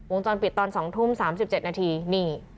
วงจรปิดตอน๒ทุ่ม๓๗นาทีนี่